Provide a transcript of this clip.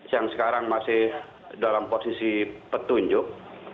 yang sekarang masih dalam posisi petunjuk